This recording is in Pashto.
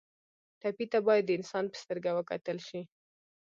ټپي ته باید د انسان په سترګه وکتل شي.